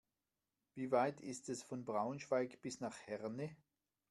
Wie weit ist es von Braunschweig bis nach Herne?